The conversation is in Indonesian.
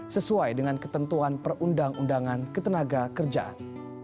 sesuai dengan kondisi kesehatan